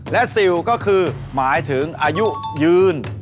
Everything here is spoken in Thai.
และซิลก็คือหมายถึงอายุยืน